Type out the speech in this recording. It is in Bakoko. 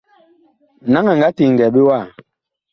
Naŋ a nga teŋgɛɛ ɓe wa ?